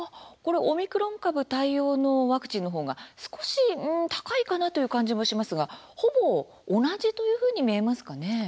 オミクロン株対応のワクチンの方が少し高いかなという感じもしますがほぼ同じというふうに見えますかね。